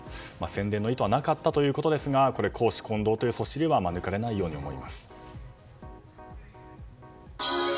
宣伝の意図はなかったということですが公私混同というそしりは免れないように思います。